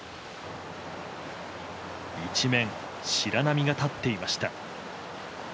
一面、白波が立っていました。